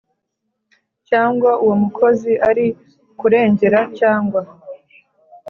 Cyangwa uwo mukozi ari ukurengera cyangwa